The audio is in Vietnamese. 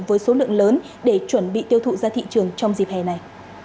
với số lượng lớn để chuẩn bị tiêu thụ ra thị trường trong dịp hè này